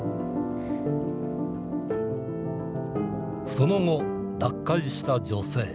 その後脱会した女性。